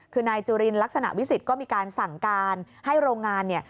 คือนายจุลินลักษณะวิสิทธิ์ก็มีการสั่งการให้โรงงานเนี่ย